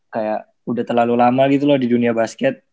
kayak udah terlalu lama gitu loh di dunia basket